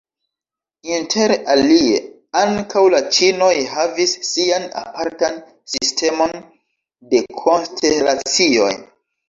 Inter alie, ankaŭ la ĉinoj havis sian apartan sistemon de konstelacioj.